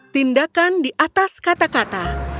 tindakan di atas kata kata